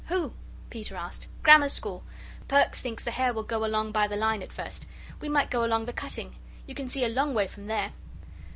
"Who?" Peter asked. "Grammar School. Perks thinks the hare will go along by the line at first. We might go along the cutting. You can see a long way from there."